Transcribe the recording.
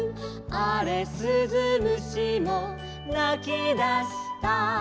「あれすず虫もなきだした」